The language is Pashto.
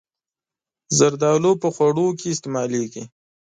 زردالو په خوړو کې استعمالېږي.